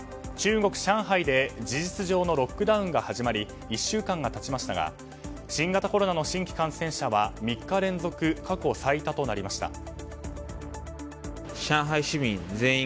中国・上海で事実上のロックダウンが始まり１週間が経ちましたが新型コロナの新規感染者は３日連続過去最多となりました。